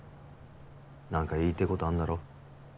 何か言いてえことあんだろ？